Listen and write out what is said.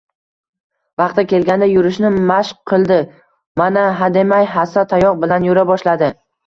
Vaqti kelganda yurishni mashq qildi, mana hademay hassa-tayoq bilan yura boshladi